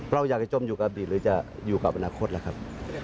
เราอยากจะจมอยู่กับอดีตหรือจะอยู่กับอนาคตล่ะครับ